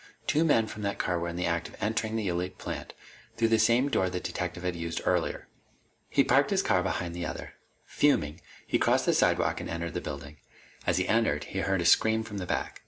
Two men from that car were in the act of entering the Elite plant through the same door the detective had used earlier. He parked his car behind the other. Fuming, he crossed the sidewalk and entered the building. As he entered, he heard a scream from the back.